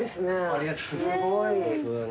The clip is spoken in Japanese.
ありがとうございます。